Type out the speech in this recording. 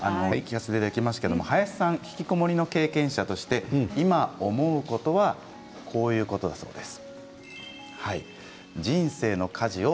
林さんはひきこもりの経験者として今思うことはこういうことだそうです。